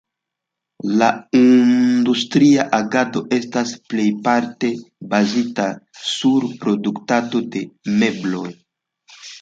La industria agado estas plejparte bazita sur produktado de mebloj.